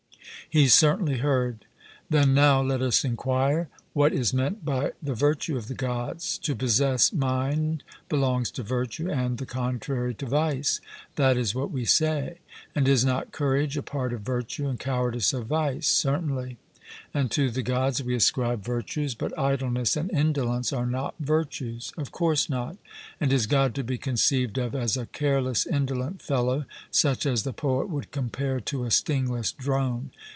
'He certainly heard.' Then now let us enquire what is meant by the virtue of the Gods. To possess mind belongs to virtue, and the contrary to vice. 'That is what we say.' And is not courage a part of virtue, and cowardice of vice? 'Certainly.' And to the Gods we ascribe virtues; but idleness and indolence are not virtues. 'Of course not.' And is God to be conceived of as a careless, indolent fellow, such as the poet would compare to a stingless drone?